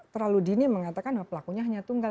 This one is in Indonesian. terlalu dini mengatakan bahwa pelakunya hanya tunggal